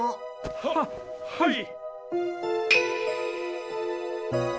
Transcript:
はっはい！